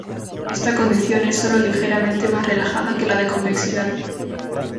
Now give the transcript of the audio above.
Esta condición es sólo ligeramente más relajada que la de convexidad.